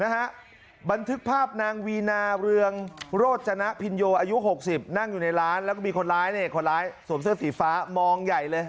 บันทึกภาพนางวีนาเรืองโรจนะพินโยอายุหกสิบนั่งอยู่ในร้านแล้วก็มีคนร้ายเนี่ยคนร้ายสวมเสื้อสีฟ้ามองใหญ่เลย